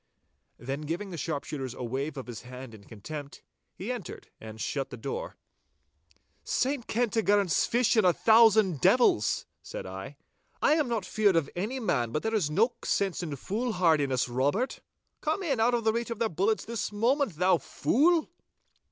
Then giving the sharpshooters a wave of his hand in contempt, he entered and shut the door. 'Saint Kentigern's fish and a thousand devils,' said I, 'I am not feared of any man, but there is no sense in foolhardiness, Robert. Come in out of reach of their bullets this moment, thou fool!